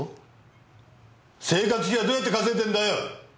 生活費はどうやって稼いでんだよ！